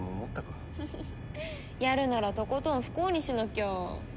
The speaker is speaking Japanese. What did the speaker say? フフッやるならとことん不幸にしなきゃ。